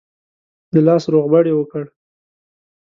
د لاس روغبړ یې وکړ.